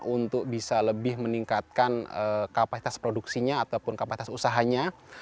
untuk bisa lebih meningkatkan kapasitas produksinya ataupun kapasitas usahanya